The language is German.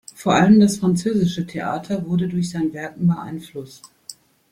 Vor allem das französische Theater wurde durch sein Werken beeinflusst.